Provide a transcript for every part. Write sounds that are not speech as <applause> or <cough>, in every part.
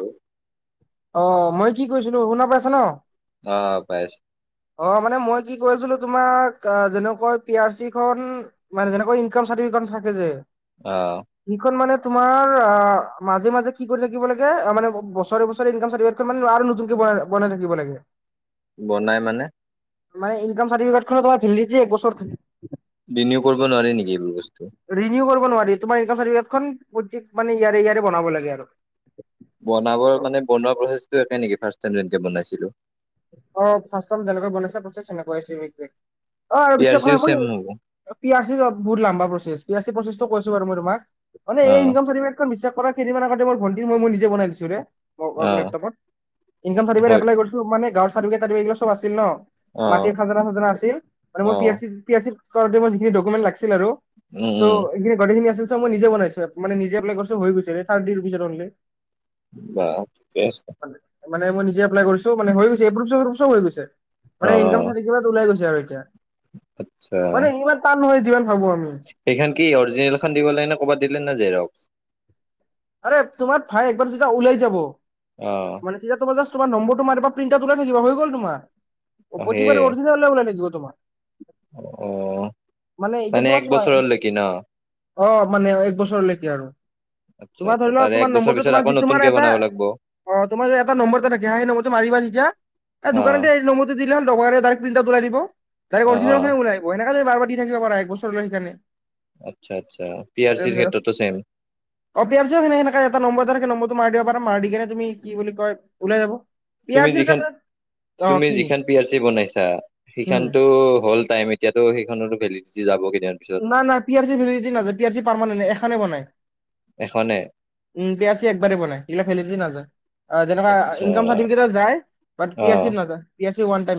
অ'। অ', মই কি কৈছিলো শুনা পাইছ ন'? অ পাইছো। অ', মানে মই কি কৈ আছিলোঁ তোমাক অ', যেনেকৈ পি আৰ চি খন মানে যেনেকৈ ইনকাম চাটিফিকেট থাকে যে অ সেখন মানে। তোমাৰ মাজে মাজে কি কৰি থাকিব লাগে, অ', মানে বছৰে বছৰে ইনকাম চাৰ্টিফিকেটখন মানে আৰু নতুনকে বনাই থাকিব লাগে। বনাই মানে? মানে ইনকাম চাৰটিফিকেট খন তোমাৰ ভেলিদিতী এক বছৰ থাকে। বিনিউ কৰিব নোৱাৰি নেকি এইবোৰ বস্তু? আৰু তোমাৰ ইনকম চাৰ্টিফিকেট প্ৰতিক মানে ইয়াৰে ইয়াৰে বনাব লাগে আৰু। বনাবৰ মানে বনোৱা প্ৰচেছটো একে নেকি ফাৰ্ষ্টটে যেনেকে বনাইছিলো? অ', ফাৰ্ষ্টটত যেনেকে বনাইছা প্ৰচেছ তেনেকুৱাই ছেম এক্সেক্ত। অ', আৰু পি আৰ বিশ্বাস চিও চেম হ'ব <unintelligible> পি আৰ চি বহুত লম্বা প্ৰচেছ। পি আৰ চি প্ৰচেছটো কছো বাৰু মই তোমাক, মানে অ এই ইনকাম চাৰ্টিফিকেটখন বিশ্বাস <unintelligible> ভণ্টি এ মই নিজে বনাই দিছোঁ ৰে। অ টপত ইনাৰিকট হয় এপলাই কৰিছো। মানে চাৰ্টিফিকেট এপ্লাই কৰিছো তাৰ মানে গাঁৱৰ চাৰ্টিফিকেট চব আছিল ন। অ মাটিৰ খাজানা খাজনা আছিল, মানে অ মোৰ P R C, P R C <unintelligible> যিখিনি ডকুমেণ্ট লাগিছিল আৰু। উম উম চ' এইখিননে গোটেইখিনি আছিল। মই নিজে বনাইছো, মানে নিজে এপ্লাই কৰিছো হৈ গৈছে, <unintelligible> <unintelligible> ঠিকে আছে মানে মই নিজে এপ্লাই কৰিছো, মানে হৈ গৈছে এপ্ৰোভ এপ্ৰোভ চব হৈ গৈছে, অ মানে ইনকাম চাৰ্টিফিকেট ওলাই গৈছে আৰু। <unintelligible> আচ্ছা মানে ইমান টান নহয় যি সেইখন কি অৰিজিনেলখন দিব লাগেনে ক'ৰবাত দিলে না জেৰক্স? আৰে তোমাৰ ভাই একবাৰ যেতিয়া ওলাই যাব, অ মানে তেতিয়া তোমাৰ জাছ তোমাৰ নম্বৰটো মাৰিবা প্ৰিন্ট আউট ওলাই থাকিব হৈ গ'ল তোমাৰ। অ প্ৰতিবাৰে অৰিজিনেল ওলাই থাকিব তোমাৰ। আহ, এতিয়া মানে তোমাৰ এক চোৱা বছৰলৈকি ন? অ', মানে এক বছৰলৈকে আৰু, আচ্ছা তোমাৰ আচ্ছা ধৰি লওক তাৰে এক তোমাৰ বছৰ নম্বৰটো পিছত আকৌ তোমাৰ নতুনকে এটা বনাব লাগব অ', তোমাৰ যে এটা নম্বৰ যে থাকে, সেই নম্বৰটো মাৰিবা যেতিয়া অ দোকানতে এই নম্বৰটো দিলে হ <unintelligible> ডাইৰেক্ট প্ৰিণ্ট আউট ওলাই দিব, ডাইৰেক্ট অ অ অৰিজনেল খন ওলাই দিব, এনেকা তুমি বাৰে বাৰে দি থাকিব পাৰা একবছৰ। <unintelligible> আচ্ছা আচ্ছা, পি আৰ চিৰ ক্ষেত্ৰতো ছেম। অ' পি আৰ চি তেনে এটা নম্বৰ এটা নম্বৰ। <unintelligible> তুমি কি বুলি কয় ওলাই যাব, তুমি যিখন <unintelligible> তুমি কি যিখন পিয়াৰ চি বনাইছা, উম। সিখানতো হ'ল টাইম। এতিয়াতো, সেইখনৰো ভেলিডিটি যাবগে। ইমান আৰ P R C <unintelligible> P R C permanent এখান বনাই। এখনে। উম, পি আৰ চি একবাৰেেই বনাই, ইয়াৰ ভেলিদিটি নাযায়। অ', যেনেকে আচ্ছা ইনকাম চাৰ্টিফিকেটৰ যায়, বাট অ পি আৰ চিৰ নাযায়, P R C one time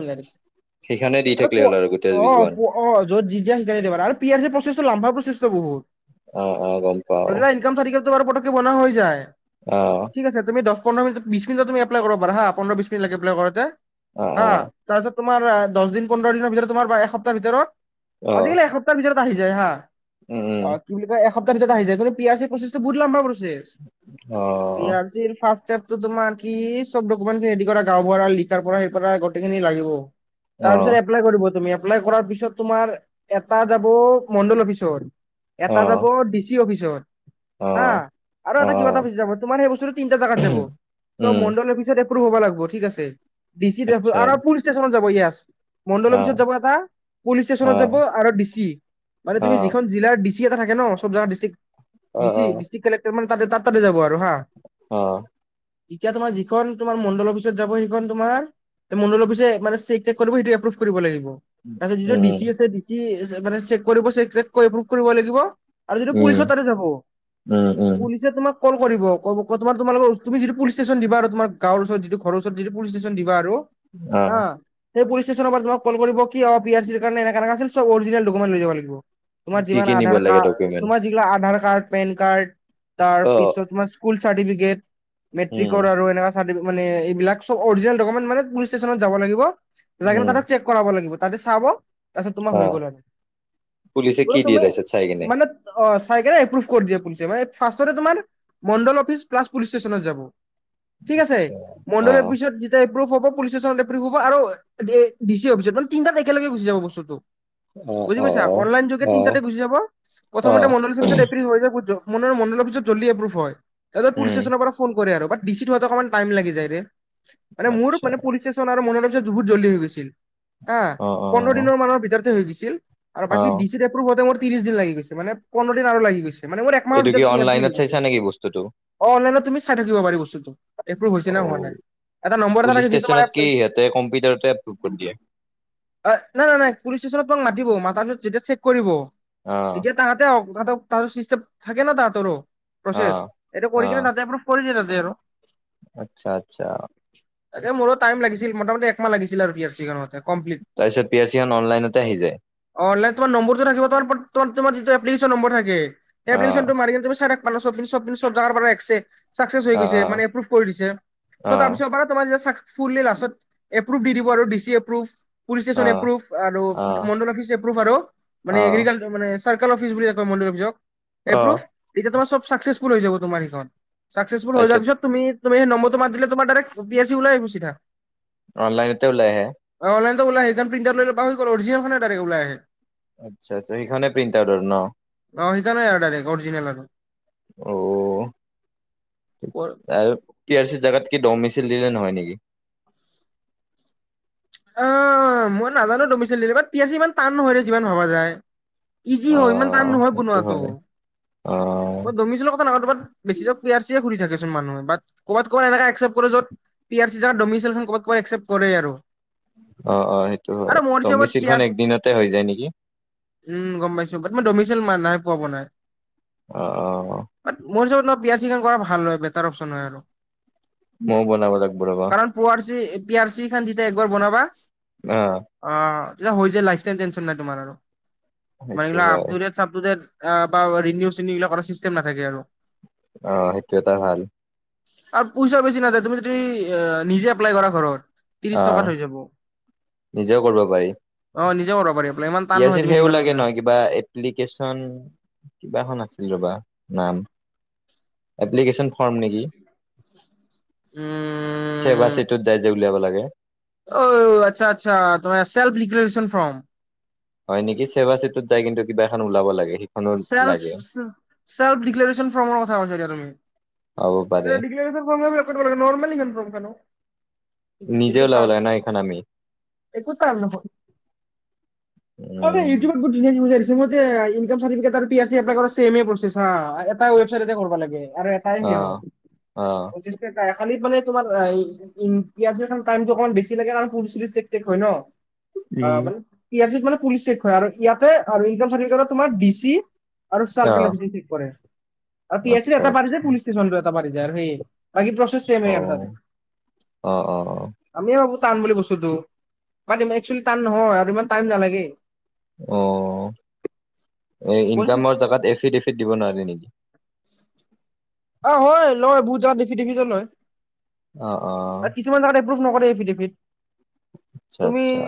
সেইখনে দি <unintelligible> থাকিলে প হ'ল আৰু গোটেই অ জীৱন প অ য'ত যিতিং কেনে দিবাৰ আৰু পি আৰ চি লম্ভা প্ৰচেছটো বহুত। অ', অ গম পাওঁ। াৰ ব হৈ য পন্ধ বিশ মত এপাই কৰাৰ হা <unintelligible> পোন্ধৰ বিশ মিনিট লাগে বোলে ঘৰতে অ হ অ তাৰপিছত। তোমাৰ দহ দিন পোন্ধৰ দিনৰ ভিতৰত তোমাৰ বা এসপ্তাহ ভিতৰত অ আজিকালি এসপ্তাহ ভিতৰত আহি যায় হা উম উম অ তু বুলি কয় এসপ্তাহৰিতৰত আহি যায় কিন্তু পিয়াছৰ প্ৰচছটো বহুত লম্বা প অ আৰ চিৰ ফাৰ্ষ্ট। তোমাৰ কি চব দকুমেণ্ট কৰা ৰেডী গাওঁবুঢ়া আৰু লিখাৰ পৰা পৰা গোটেইখিনি লাগিব। অ তাৰপিছত এপ্লাই কৰিব তুমি এপ্লাই কৰ পিছত তোমাৰ এটা যাব মণ্ডল অফিচত অ এটা যাব ডিচি অফিচত। অ হা আৰু অ এটা কিবা এটা অফিচত যাব তোমাৰ সেই বস্তু তিনিটা জোগাত যাব চ' উম মণ্ডল অফিচত। পূৰফ হ'ব লাগিব। ঠিক আছে ডি চি আচ্ছা ষ্টেচনত যাবয়। মণ্ডল অ অফিচত যাব এটা পুলিচ অ ষ্টেচনত যাব আৰু ডিচি মানে অ তুমি যিখন জিলাৰ ডি চি এটা থাকে ন' চব জাগাত ডিষ্ট্ৰিক, অ অ ডি চি ডিষ্ট্ৰিক কালেকটৰ মানে তাৰ তাতে যাব আৰু। আহ তেতিয়া তোমাৰ যিখন তোমাৰ মণ্ডল অফিচত যাব সেইখন তোমাৰ। মণ্ডল অফিছে মানে চেক টেক কৰিব সেইটো এপ্ৰুভ কৰিব লাগিব। তাৰিছত যিটো উম ডিচি আছে ডি চি মানে চেক কৰিব চেক কৰোঁ বুক কৰিব লাগিব। আৰু যদিটো উম পুলিচৰ তাতে যাব উম উম উম পুলিচে তোমাক কল কৰিব ক তোমাৰ তোমোকৰ তুমি পুলিচ ষ্টেচন দা তোমাৰ গাঁৰ চৰত যিটোৰ চৰত যিটোুলি ষ্টেচন দিবা আৰু আহ সেইুলি ষ্টেচনৰ পৰা তমাক কল কৰিব কি অ প আৰ চিৰ কাৰণ এনেণে আছিল চব অৰিজনেল ডকুমেণ্ট লৈ যাব লাগিব। তোমাৰ কি যিমান কি নিব আধাৰ লাগে কাৰ ডকুমেন্ট তোমাৰ যিগিলা Aadhaar card Aadhaar card, PAN card, তাৰ অ পিছত তোমাৰ স্কুল চাৰ্টিফিকেট মেট্ৰিক উম আৰু এনেকুৱা মানৱ এইবিলাক সব অৰিজিনাল ডকুমেণ্ট মানে পুলিচ ষ্টেচনত যাব লাগিব, যাই কিনে উম তাতে চেক কৰাব লাগিব। তাতে চাব তাৰপিছত তোমাৰ অ হৈ গ'ল ন পুলিচে বো কি দিয়ে তুমি তাৰপিছত চাই কিনে মানে অ। চাই এপ্ৰভ কৰি দিয়ে পুলিচ মে ফাৰ্ষ্ট তোমাৰ মণ্ডল অফিচ প্লাছ পুলিচ ষ্টেচনত যাব। ঠিক আছে আচ্ছা অ মন্দলৰ পিছত যেতিয়া এপেভ হ'ব আৰু ডি অফচত মানে তিনিটাত একেলগে গুচি যাব মানে বস্তুটো অ বুজি অ পৈছ অনলাইন যোগে অ তিটা দি ঘুচি যাব অ প্ৰথমতে মণ্ডলিৰ ভিতৰত এপ্ৰ হৈ যাব বুজ মনৰ মণ্ডলৰিত জলিদিএপোভ হয়। তাৰিছত পুলি উম ষ্টেচনৰ পৰা ফোন কৰে আৰু ডি চি থ হোৱাটো অকণমান টাইম লাগি যায় ৰে মান মোৰ আচ্ছা মানেুলি ষ্টেচন আৰু মনম বহুত জল্দি হৈ গৈছিল। আহ অ অ পোন্ধৰ দিনৰ মানৰ ভিতৰতে হৈ গৈছিল আৰু অ বাকী ডি চি এপ্ৰভহতে মোৰ। ত্ৰিশ দিন লাগি গৈছে মানে পোন্ধৰ দিন আৰু লাগি গৈছে। মানে মোৰ একমাহৰ এইটো কি ভিতৰত পি আৰ চি অনলাইনত হৈ গৈছে। চাইছা নেকি বস্তুটো অ অনলাইনত তুমি চাই থাকিব পাৰি বস্তুটো ত এপ্ৰুভ হৈছে অ নে হোৱা নাই। এটা নম্বৰ এটা পুলিচ থাকে যিটো মানে ষ্টেচনত কি ইহঁতে কম্পিউটাৰতে এপ্ৰুভ কৰি দিয়ে। অ নাই ন নাই পুলিচ ষ্টেচন তোমাক মাতিব মতাৰ পিছত যেতিয়া চেক কৰিব অ তেতিয়া তাহাতে হক তাহতক তাতে চিষ্টেম থাকে ন' তাহাতৰো। অ প্ৰচেছ এটো কৰি অ কিনে ততে পূৰফ কৰি দিলে ততে আৰু আচ্ছা আচ্ছা এ মোৰো টাইম লাগিছিল। মোটামটি একাহ লাগছিল আৰু পি আৰ চি খণতে তাৰপিছত পি আৰ চি এখন অনলাইনত‌ অলাইন তোম নম্বৰটো থাকিবোমাৰ যিটোপ্লিকেশন নম্বৰ থাকে অ এপ্ললিকেশনটো মাৰি কি তুম চ এক প চব চব চব জাগাৰ পৰা একছে। চাকচেচ হৈ অ গৈছে অ মানে এপৰুভ কৰি দিছে, অ চ' তাৰপিছত পৰা তোমাৰ মানে ফুল লাষ্টত এপ্ৰুভ দি দিব আৰু ডি চি এপ্ৰুভ পুলিচ অ ষ্টেচন এপ্ৰুভ আৰু অ মণ্ডল অফিচ এপ্ৰুফ আৰু মানে অ এগ্ৰিকালাৰ মানে চাৰ্কেল অফিচ বুলি কয় মণ্ডল অফিচক। অ এপ্ৰুভ, এতিয়া তোমাৰ চব চাকচ্চেছফুল হৈ যাব তোমাৰ এইখন, চাকচ্চেছফুল হৈ যোৱাৰ তাৰপিছত পিছত তুমি তোমাৰ সেই নম্বৰটো মাৰিল তোমাৰ ডাইৰে্ পি আৰ ওলাই আহিব। অনলাইনতে ওলাই আহে। ওলাই অনলাইনতে সেইখন পিণ্টাৰ ল'ব হৈ গ'ল অৰিজনেনোই ওলাই আহে। আচ্ছা আচ্ছা সেইখনেে প্ৰিণ্ট আউট আৰু ন অ সেইকাৰণে নাই ডাইৰেক্ট অৰিজিনেল আৰু অ' আৰু কি আছে জেগাত? কি দম মিছিল দিলে নহয় নেকি। অ' মই নাজানো তুমি চ পিচি ইমান টান নহয় যিমান ভবা যায় ইজি হয় ইমান টান অ' নহয় সেইটো বনোৱাাতটো হয়। অ' দমিচিলেলৰ কথা নাজানো কৰবাত বেছিকৈ পিয়াৰ্চি খুলি থাকে চোন বেছিভাগ মানুহে পি আৰ চি যাৰ ডমিচিয়েলখন ক'বাত একচেপ্ট কৰে আৰু অ- অ সেইটো আৰু হয় মোৰ ত হিচাপত পি মিছিলখন আৰ একদিনতে হৈ যায় নেকি উম গম পাইছো। দমিচিয়েল নাই পোৱাা পোৱা নাই অ' অ' মোৰ হিচাপত বিয়া চিকন কৰা ভাল হয় বেটাৰ অপশচন হয় আৰু। ম বনাব লাগিব ৰবা। পিয়াৰ চি খান দিয়া একবাৰ বনাবা অ' অ হৈ যায় লাইফ টাইম টেনচন নাই তোমাৰ, সেইটো হয়। আপলোডেড চাপলোদেড বা ৰিনিউচ্ বিলাক চিষ্টেম নাথাকে আৰু অ 'সেইটো এটা ভাল আৰু পইচা বেছি নাযায় তুমি যদি নিজে এপ্লাই কৰা ঘৰত ত্ৰিশ অ' টকাত হৈ যাব নিজেও কৰিব পাৰি অ নিজে কৰিব পাৰি এপ্লাই ইমান টান নহয় পীয়াৰ্চি তুমি সেও যিমান লাগে সোধা নহয় কিবা এপ্লিকেচন কিবাখন আছে ৰবা ফৰ্ম নেকি চবা উম চিটত যাই যে উলিয়াব লাগে। অ'ও আচ্ছা আচ্ছা, তোমাৰ চেল্ফ ডিক্লোৰচন ফ্ৰম। হয় নেকি? চেৱা চিটত যাই কিন্তু কিবা এখন ওলাব লাগে। সেইখনো চেল্ফ লাগে চেল্ফ দিক্লাৰেচন ফৰ্মৰ কথা ক দিয়া তুমি হ'ব পাৰে। <inaudible> নিজে একো ওলাব টান লাগে ন এইখন আমি একো আৰু ন ত ইউটিউব উম গ বুজাইছ এটা ৱবট লাগে আৰু এটাই সিহ অ', অ'। পঁচিছ <inaudible> খালি মানে তোমাৰ অমান বেছি লাগে কাৰছিলেক হয় ন। অ' মানে পি আৰ চিত মানে পুলিচ চেক আৰু ইয়াতে আৰু ইনকম চাৰ্টিফিকেটত তোমাৰ ডিচি আৰু অ', চালক ঠিক কৰে আৰু আচ্ছা এটা বাঢ়ি যায় আচ্ছা পুলি ষ্টচন এটা বাাৰি যায় আৰু সেই। বাকী, প্ৰচেছ চেম আৰু অ'। অ', অ', তাৰে টান বুলি বস্তুতটো মানে একচুৱেলী টান নহয় আৰু ইমান টাইম নালাগে অ' এ ইনকামৰ জেগাত এফিডেফট দিব নোৱাৰে নেকি অ হয় লয় বহুত জেগাত দেফিদেফিটো লয় অ -অ- অ আৰু <inaudible> <unintelligible> আচ্ছা আচ্ছা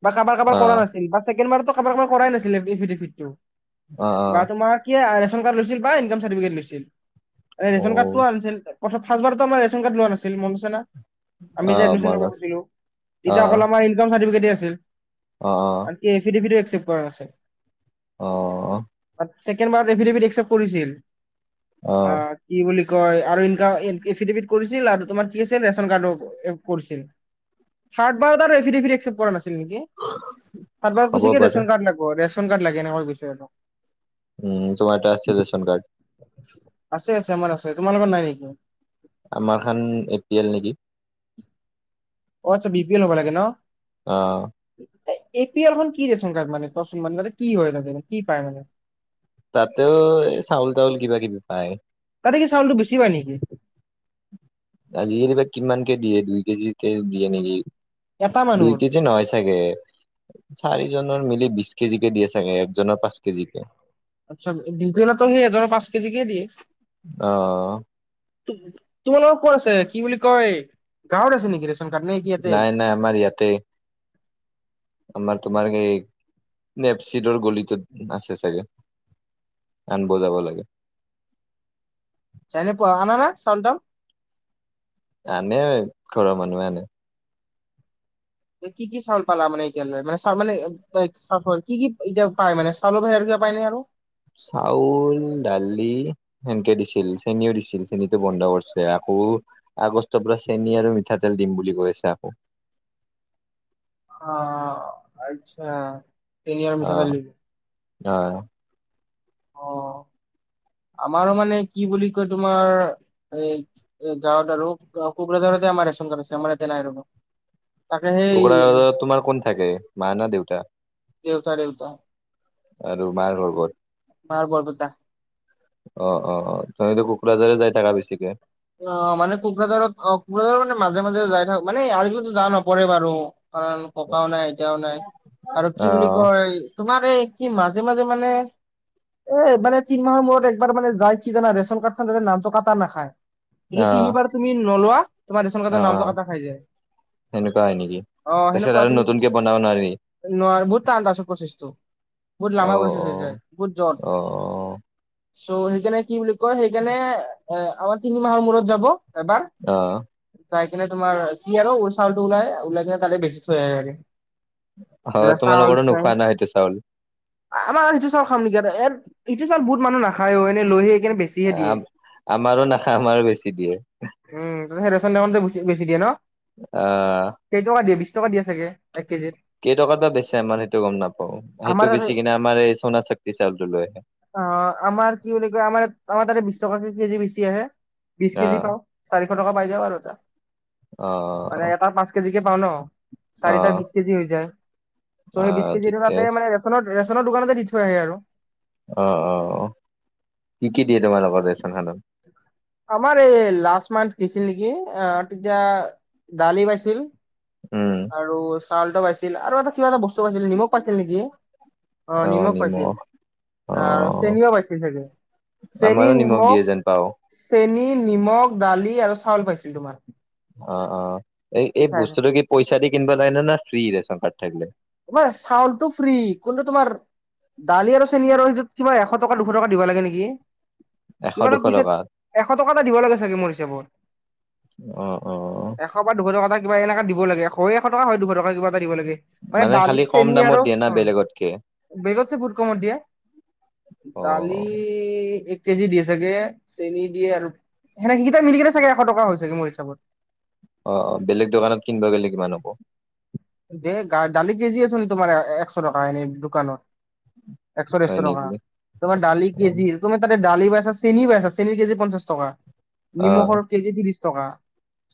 বা কাৰাবাৰ কাৰাবাৰ কৰা অ', নাছিল বা ছেকেড বাৰতো কাৰ কাৰাৰ কৰাই নাছিলেফ এফটো অ', বা অ', তোমাৰ কি ৰেচন কাৰ্ড লৈছিল বা ইনক চাৰট লৈ ৰেচন কাৰ্ডটো অ', আনিছিল ফাৰ্ষ্টবাৰত টো আমাৰ ৰেচন কাৰ্ড লোৱা নাছিল মনত আছে নে। আমি যে অ', এডমিছন লব মনত গৈছিলোঁ, তেতিয়া অ', অকল আমাৰ ইনকাম চাৰ্টিফিকেট দিয়া আছিল। অ', অ', আৰু কি এফিডেভিটও একচেপ্ট কৰা নাছিল? অ' ছেকেণ্ড বাৰত এফিডেভিট একচেপ্ত কৰিছিল। আ কি বুলি কি কয় আৰু এফিডেফিট কৰিছিল আৰু তোমাৰ কি আছিল ৰেচন কাৰ্ডো কৰিছিল থাৰ্ড বাৰ <inaudible> একেপ্ট কৰা নাছে ছিল নেকি তাৰ পৰা হ'ব কৈছে কি পাৰে ৰেচন কাৰ্ড লাগিব, ৰেচন কাৰ্ড লাগে এনেকৈ কৈছে আৰু উম, তোমাৰ এটা আছে ৰেছন কাৰ্ড। আছে, আছে আমাৰ আছে তোমালোকৰ নাই নেকি আমাৰ খন এ পি এল নেকি? অ' আচ্ছা, বি পি এল হ'ব লাগে ন। অ', এ পি এলখন কি ৰেচন কাৰ্ড মানে ত মানে মানে কি হয় কি পায় মানে। তাতেও এই চাউল তাউল কিবা কিবি পায়। তাতে কি চাউলটো বেছি পায় নেকি আজিকালি বা কিমানকে দিয়ে দুই কেজি কে দিয়ে নেকি? এটা দুই মানুহৰ কে যে নহয় চাগে চাৰিজনৰ মিলি বিশ কেজি কে দিয়ে চাগে একজনৰ পাঁচ কেজি কে। আচ্ছা, ডিকেলাটোৱেই সেই ধৰ পাঁচ কেজি কে দিয়ে। অহ'। তোমালোকৰ কত আছে কি বুলি কয় গাঁৱত আছে নেকি ৰেচন কাৰ্ড নে কি ইয়াতে নাই নাই আমাৰ ইয়াতে, আমাৰ তোমাৰ হেই নেপচিটোৰ গলিটোত আছে চাগে আন বজাব লাগে। জাই নাপোৱা আনা না চাউল টাউল আনে ঘৰৰ মানুহে আনে কি কি চাউল পালা মানে এতিালৈ মানে মানে কি কি এতিয়া পায় মে চাউলৰ ভাহ পাই নে আৰু চাউল দালি সেনকে দিছিল চেনীও দিছিল চেনীটো বন্ধ কৰিছে। আ আকৌ আগষ্টৰ পৰা চেনি আৰু মিঠাতেল দিম বুলি কৈ আছে আকৌ অ আচ্ছা চেনি আৰু অ মিঠাতেল দিব অ অ'। আমাৰো মানে কি বুলি কয় তোমাৰ এ এ গাঁৱত আৰু কোকোৰাঝাৰতে আমাৰ ৰেচ ছন আছে আমাৰ এয়াতে নাই আৰু কোকোৰাঝাৰত তোমাৰ কোন থাকে মা না দেউতা দেউতা দেউতা আৰু মাৰ ঘৰ কত মাৰ বৰপেটা অ অ অ তহতো কোকৰাঝাৰে যাই থাকা বেছিকে অ মানে কোকৰাঝাৰত অ কোকৰাঝাৰত মানে মাজে মাজে যাই থাক মানে আজিকালিতো যাও নপৰে বাৰু কাৰণ ককাও নাই আইতাও নাই আৰু অ কি বুলি কয় তোমাৰ এই কি মাজে মাজে মানে এ মানে তিনি মাহৰ মূৰত একবাৰ মানে যায় কি জানা ৰেচন কাৰ্ডখন ততে নামটো কাটা নাখায় যদি অ তিনিবাৰ তুমি নলোৱা তোমাৰ ৰেচন কাৰ্ডৰ অ অ নামটো কাটা খায় যায় সেনেকুৱা হয় নেকি তাৰপাছত আৰু নতুনকে বনাব নোৱাৰি নোৱাৰ বহুত তান আছে প্ৰচেছটো বহুত অ লাম্বা প্ৰচেছ অ হৈ যায় গুড জব। অ চ' সেইকাৰণে কি বুলি কয় সেইকাৰণে এ আমাৰ তিনি মাহৰ মূৰত যাব এবাৰ অ চাই কিনে তোমাৰ কি চিয়াৰৰ উল চাউলটো ওলাই ওলাই কিনে তাতে বেছি থৈ যায় আহেগে। অ ম চাউল তোমালোকৰো চাই, নোখোৱা ন সেইটো চাউল? আমাৰ সেইটো চাউল খাম নেকি আৰু। এ ইটো চাউল বহুত মানুহে নাখায় অ এনেই লৈহে আমাৰো নাখা উমেই ৰেচন দ বেছি দিয়ে ন। আহ কেই টকা দিয়ে বিশ টকা দিয়ে চাগে এক কেজিত। কেইটকাত বা বেছে আমাৰ সেইটো গম নাপাও আমাৰ সেইটো আৰু বেচি কিনে আমাৰ এই চনা চক্তি চাউলটো লৈ আহে। অ আমাৰ কি বুলি কয় আমাৰ আমাৰ ততে বিশ টকাত কেজি বেছি আহে, বিছ কেজি আহ পাও, চাৰিশ টকা পাই যাওঁ আৰু এটা। অ মানে এটা পাঁচ কেজিকে পাও ন'। অ চাৰিটাৰ বিশ কেজি হৈ যায়, ত' অ সেই বিছ কেজি ঠিকে থকা আছে। মানে ৰেনত ৰেচনৰ দোকানতে দি থৈ আহে আৰু। অ -অ -অ কি কি দিয়ে তোমাৰ লগত ৰেচন সাধন <inaudible> আমাৰ এই লাষ্ট মান্থ দিছিল নেকি আহ তেতিয়া, দালি পাইছিল। উম আৰু চাউলটো পাইছিল আৰু এটা কিবা এটা বস্তু পাইছিল, নিমখ পাইছিল নেকি? অ নিমখ পাইছিল অ আৰু চিনিও পাইছে চাগে, চেনী, আমাৰো নিমখ। দিয়ে যেন পাও। চেনী, নিমখ, দালি আৰু চাউল পাইছিল তোমাৰ। অ অ এই এই বস্তুটো কি পইচা দি কিনিব লাগে না না ফ্ৰী ৰেচন কাৰ্ড থাকিলে তোমাৰ চাউলটো ফ্ৰী কোনটো তোমাৰ দালি আৰু চেনি আৰু সেইটোত কিবা এশ টকা দুশ টকা দিব লাগে নেকি এশ কিবা এটা দুশ পইচা টকা এশ টকা এটা দিব লাগে চাগে মোৰ হিচাপত। অ অ অ এশ বা দুশ টকা এটা কিবা এনেকা দিব লাগে এশ টকা হয় দুশ টকা কিবা এটা দিব লাগে মানে খালি ডালিৰ কম চেনি দামত আৰু দিয়ে না অ বেলেগতকে বেগছে বহুত কমত দিয়ে অ ডালি এক কেজি দিয়ে চাগে চেনি দিয়ে আৰু সেনেক কেইটা মিলি কেনে চাগে এশ টকা হয় চাগে মোৰ হিচাপত অ অ বেলেগ দোকানত কিনিব গেলে কিমান হ'ব দে গা দালি কেজি আছনি তোমাৰ একশ টকা এনেই দোকানত একশ ডেৰশ হয় টকা নেকি তোমাৰ ডালি অ কেজি তুমি ততে ডালি পাই ছা চেনি পাইছা আছা চেনীৰ কেজি পঞ্চাশ টকা অ নিমখৰ কেজি ত্ৰিশ টকা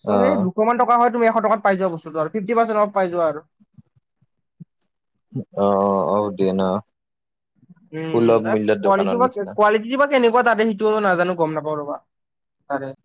চ' অ সেই দুশমান টকা হয় তুমি এশ টাত পাই যোৱা বস্তুটো ফিফটি পাৰ্চে অফ পাই যোৱা আৰু অ আও দে না উম ত কাৱালিটি বা নিচিনা কোৱালিটি বা কেনেকুৱা তাতে সেইটো নাজানো গম নাপাওঁ ৰবা আৰে